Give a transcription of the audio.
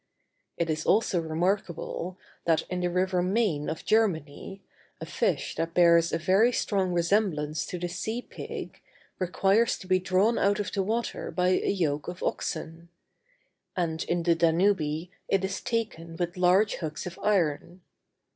It is also remarkable, that in the river Main of Germany, a fish that bears a very strong resemblance to the sea pig, requires to be drawn out of the water by a yoke of oxen; and in the Danube, it is taken with large hooks of iron.